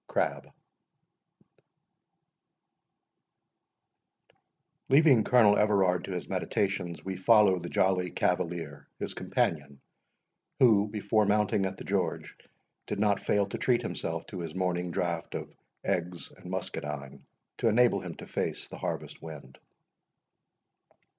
—CRABBE. Leaving Colonel Everard to his meditations, we follow the jolly cavalier, his companion, who, before mounting at the George, did not fail to treat himself to his morning draught of eggs and muscadine, to enable him to face the harvest wind.